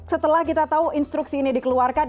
setelah kita tahu instruksi ini dikeluarkan